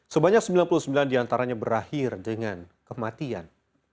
sebanyak sembilan puluh sembilan diantaranya berakhir dengan kematian